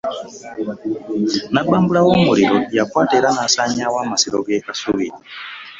Nnabbambula w'omuliro yakwata era n'asaanyaawo amasiro g'ekasubi